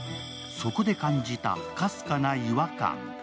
そこで感じたかすかな違和感。